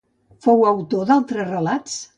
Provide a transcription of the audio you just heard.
Fou l'autor d'altres relats?